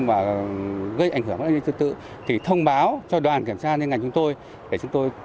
và gây ảnh hưởng đến an ninh trật tự thì thông báo cho đoàn kiểm tra liên ngành chúng tôi để chúng tôi